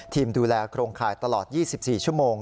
ดูแลโครงข่ายตลอด๒๔ชั่วโมง